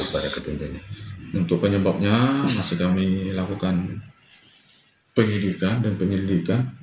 penyebabnya masih kami lakukan penyelidikan dan penyelidikan